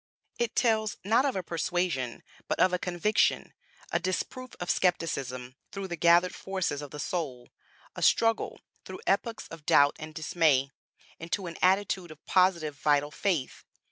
It tells not of a persuasion, but of a conviction; a disproof of skepticism through the gathered forces of the soul; a struggle, through epochs of doubt and dismay, into an attitude of positive vital faith.